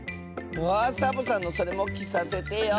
あサボさんのそれもきさせてよ。